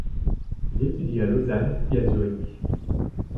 Il étudie à Lausanne puis à Zurich.